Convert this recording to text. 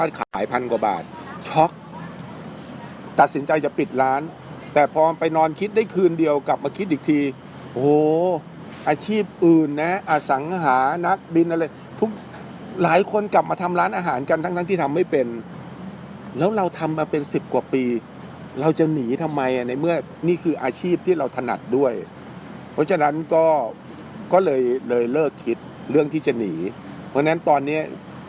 ขายพันกว่าบาทช็อกตัดสินใจจะปิดร้านแต่พอไปนอนคิดได้คืนเดียวกลับมาคิดอีกทีโอ้โหอาชีพอื่นนะอสังหานักบินอะไรทุกหลายคนกลับมาทำร้านอาหารกันทั้งทั้งที่ทำไม่เป็นแล้วเราทำมาเป็นสิบกว่าปีเราจะหนีทำไมในเมื่อนี่คืออาชีพที่เราถนัดด้วยเพราะฉะนั้นก็เลยเลยเลิกคิดเรื่องที่จะหนีเพราะฉะนั้นตอนเนี้ย